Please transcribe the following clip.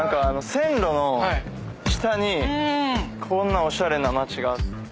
線路の下にこんなおしゃれな街が。